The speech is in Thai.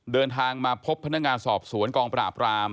เดินทางมาพบพนักงานสอบสวนกองปราบราม